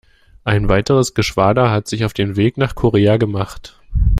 Ein weiteres Geschwader hat sich auf den Weg nach Korea gemacht.